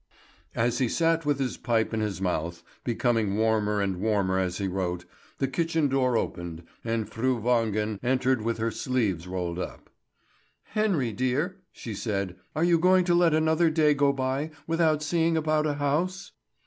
As he sat with his pipe in his mouth, becoming warmer and warmer as he wrote, the kitchen door opened and Fru Wangen entered with her sleeves rolled up. "Henry, dear," she said; "are you going to let another day go by without seeing about a house?"